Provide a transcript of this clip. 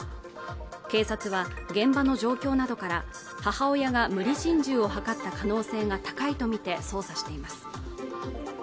警察は現場の状況などから母親が無理心中を図った可能性が高いとみて捜査しています